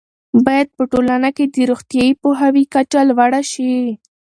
باید په ټولنه کې د روغتیايي پوهاوي کچه لوړه شي.